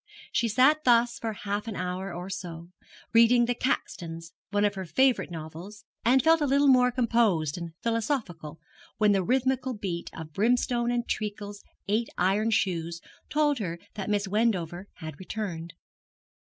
She sat thus for half an hour or so, reading 'The Caxtons,' one of her favourite novels, and felt a little more composed and philosophical, when the rythmical beat of Brimstone and Treacle's eight iron shoes told her that Miss Wendover had returned.